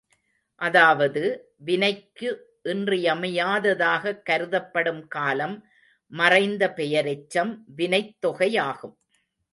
அதாவது, வினைக்கு இன்றியமையாததாகக் கருதப்படும் காலம் மறைந்த பெயரெச்சம் வினைத் தொகையாகும்.